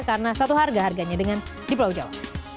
karena satu harga harganya dengan di pulau jawa